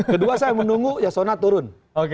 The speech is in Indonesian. kedua saya menunggu ya sonat turun